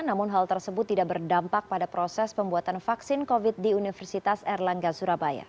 namun hal tersebut tidak berdampak pada proses pembuatan vaksin covid di universitas erlangga surabaya